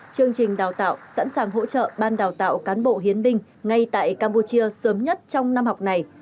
chương trình đào tạo sẵn sàng hỗ trợ ban đào tạo cán bộ hiến binh ngay tại campuchia sớm nhất trong năm học này